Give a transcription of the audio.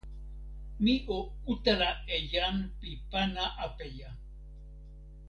mi o utala e jan pi pana apeja!